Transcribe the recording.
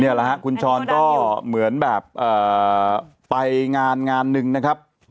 เนี่ยแหละคุณชอนก็เหมือนแบบไปงานหนึ่งนะครับ